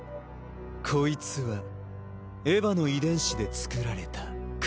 こいつはエヴァの遺伝子で作られたクローンだ。